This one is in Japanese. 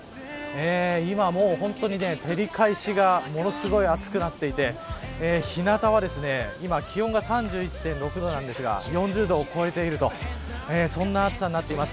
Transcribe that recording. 今、照り返しがものすごく暑くなっていて日なたは気温が３１．６度ですが４０度を超えているそんな暑さになっています。